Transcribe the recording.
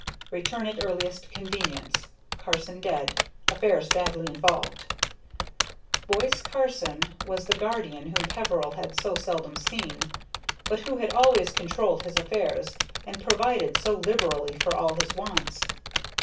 "Return at earliest convenience. Carson dead. Affairs badly involved." Boise Carson was the guardian whom Peveril had so seldom seen, but who had always controlled his affairs and provided so liberally for all his wants.